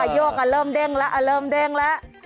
ยกอ่ะเริ่มแด้งละเริ่มแด้งละ